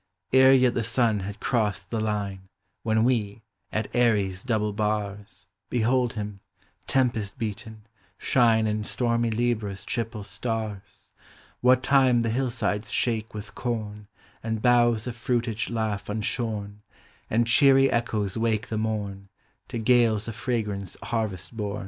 Ere yet the suu had crossed the line When we, at Aries' double bars, Behold him, temiiest beaten, shine In stormy Libra's triple stars : Digitized by Google POEM H OP HOME. What time the hillsides shake with corn And boughs of fruitage laugh unshorn And cheery echoes wake the morn To gales of fragrance harvest born.